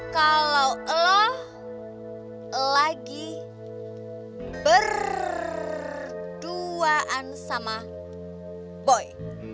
kalau lo lagi berduaan sama boy